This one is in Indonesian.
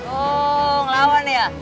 oh ngelawan ya